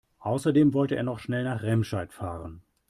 Außerdem wollte er noch schnell nach Remscheid fahren